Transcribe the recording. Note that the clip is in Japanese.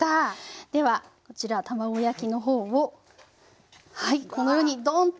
ではこちら卵焼きの方をはいこのようにドンッと。